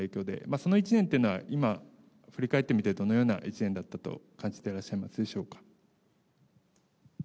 その１年というのは今、振り返ってみてどのような１年だったと感じてらっしゃいますでし